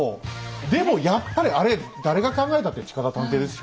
でもやっぱりあれ誰が考えたって近田探偵ですよ。